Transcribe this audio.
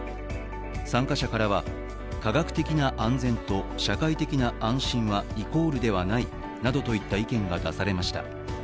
参加者からは、科学的な安全と社会的な安心はイコールではないなどといった意見が出されました。